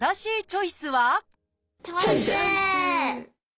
チョイス！